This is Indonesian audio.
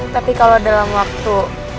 tapi kalo dalam waktu